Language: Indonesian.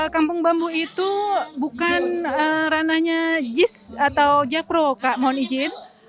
kampung bambu itu bukan ranahnya jis atau jakpro kak mohon izin